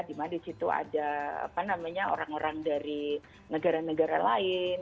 di mana di situ ada orang orang dari negara negara lain